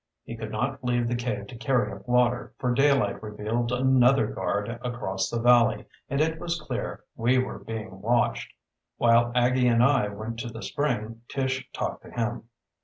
He could not leave the cave to carry up water, for daylight revealed another guard across the valley and it was clear we were being watched. While Aggie and I went to the spring Tish talked to him.